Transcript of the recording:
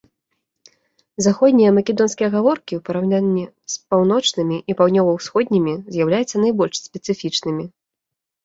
Заходнія македонскія гаворкі ў параўнанні з паўночнымі і паўднёва-ўсходнімі з'яўляюцца найбольш спецыфічнымі.